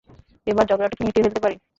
এবার ঝগড়াটা কি মিটিয়ে ফেলতে পারি?